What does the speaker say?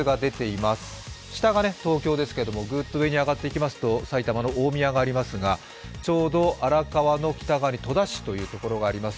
下が東京ですが、ぐっと上に上がっていきますと埼玉の大宮がありますがちょうど荒川の北側に戸田市という所があります。